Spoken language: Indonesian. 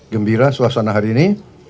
gembira suasana hari ini